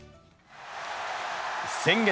先月。